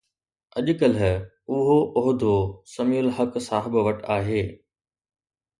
اڄڪلهه اهو عهدو سميع الحق صاحب وٽ آهي.